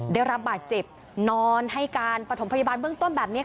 ได้รับบาดเจ็บนอนให้การปฐมพยาบาลเบื้องต้นแบบนี้